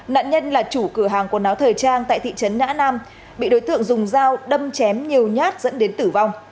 nạn nhân là chủ cửa hàng quần áo thời trang tại thị trấn nã nam bị đối tượng dùng dao đâm chém nhiều nhát dẫn đến tử vong